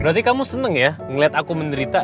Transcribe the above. berarti kamu senang ya ngelihat aku menderita